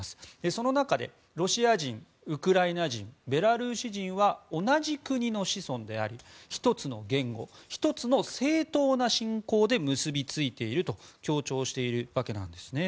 その中でロシア人、ウクライナ人ベラルーシ人は同じ国の子孫であり１つの言語、１つの正当な信仰で結びついていると強調しているわけなんですね。